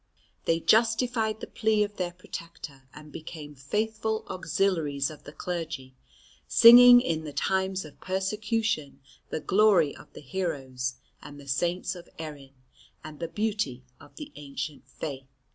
They justified the plea of their protector and became faithful auxiliaries of the clergy, singing in the times of persecution the glory of the heroes and the Saints of Erin, and the beauty of the ancient faith.